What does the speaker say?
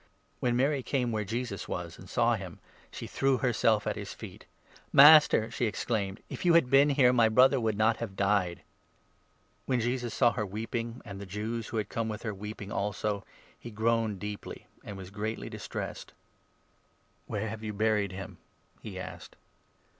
When Mary came 32 where Jesus was and saw him, she threw herself at his feet. "Master," she exclaimed, "if you had been here, my .brother would not have died !" When Jesus saw her weeping, and the Jews who had come 33 «7Ps. 118. a6. JOHN, 11. 189 with her weeping also, he groaned deeply, and was greatly distressed. " Where have you buried him ?" he asked.